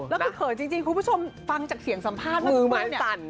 แล้วก็เผลอจริงคุณผู้ชมฟังจากเสียงสัมภาษณ์มากมาย